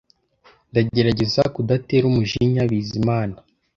Ndagerageza kudatera umujinya Bizimana .